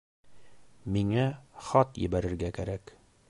Миңә хат ебәрергә кәрәк